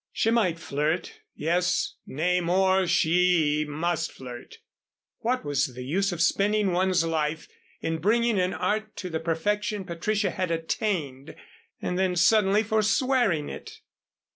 She might flirt, yes nay more, she must flirt. What was the use spending one's life in bringing an art to the perfection Patricia had attained and then suddenly forswearing it?